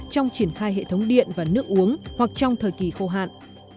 trong triển khai hệ thống điện và nước uống hoặc trong thời kỳ khô hạn